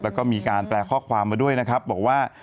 แล้วก็มีการแปลข้อความมาด้วยนะครับบอกว่า